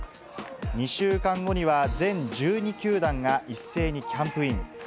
２週間後には全１２球団が一斉にキャンプイン。